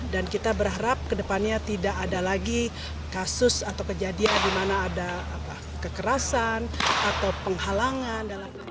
kita berharap kedepannya tidak ada lagi kasus atau kejadian di mana ada kekerasan atau penghalangan